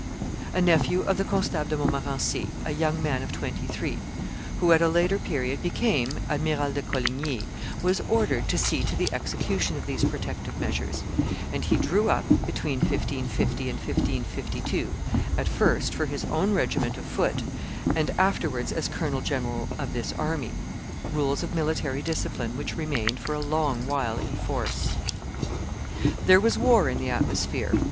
i. p. 367.] A nephew of the Constable de Montmorency, a young man of twenty three, who at a later period became Admiral de Coligny, was ordered to see to the execution of these protective measures, and he drew up, between 1550 and 1552, at first for his own regiment of foot, and afterwards as colonel general of this army, rules of military discipline which remained for a long while in force. There was war in the atmosphere.